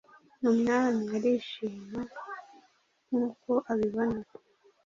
Umwami arishima nkuko abibona